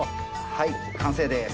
はい完成です。